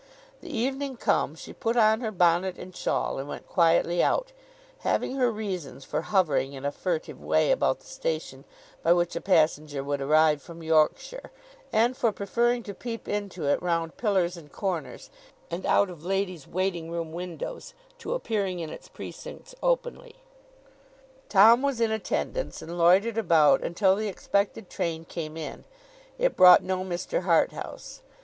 The evening come, she put on her bonnet and shawl, and went quietly out: having her reasons for hovering in a furtive way about the station by which a passenger would arrive from Yorkshire, and for preferring to peep into it round pillars and corners, and out of ladies' waiting room windows, to appearing in its precincts openly. Tom was in attendance, and loitered about until the expected train came in. It brought no Mr. Harthouse.